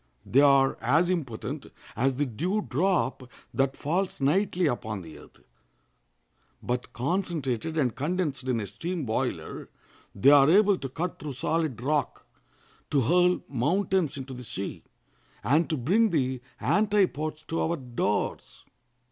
They are as impotent as the dew drop that falls nightly upon the earth; but concentrated and condensed in a steam boiler they are able to cut through solid rock, to hurl mountains into the sea, and to bring the antipodes to our doors.